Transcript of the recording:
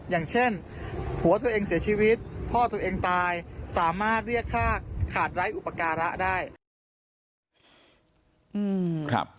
อย่างเช่นผัวตัวเองเสียชีวิตพ่อตัวเองตายสามารถเรียกค่าขาดไร้อุปการะได้